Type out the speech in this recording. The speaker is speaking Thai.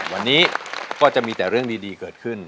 วันนี้ก็จะมีแต่เรื่องดีเกิดขึ้น